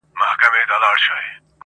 دا چي له کتاب سره ياري کوي.